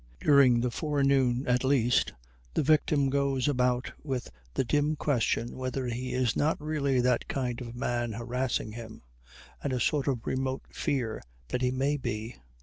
During the forenoon, at least, the victim goes about with the dim question whether he is not really that kind of man harassing him, and a sort of remote fear that he may be.